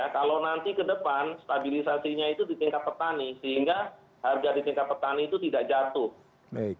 kalau nanti ke depan stabilisasinya itu di tingkat petani sehingga harga di tingkat petani itu tidak jatuh